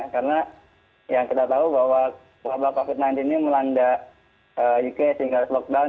karena yang kita tahu bahwa wabah covid sembilan belas ini melanda uk sehingga lockdown